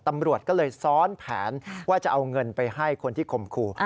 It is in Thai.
ตำรวจก็เลยซ้อนแผนว่าจะเอาเงินไปให้คนที่ข่มขู่